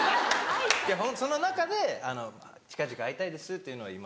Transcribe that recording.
その中で「近々会いたいです」っていうのは入れますよ。